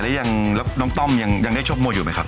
แล้วยังน้องต้มอยุ่งไหมครับ